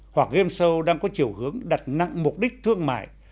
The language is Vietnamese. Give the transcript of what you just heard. hoặc game show đang có chiều hướng đặt nặng mục đích thương mại